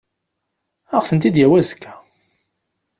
Ad aɣ-tent-id-yawi azekka.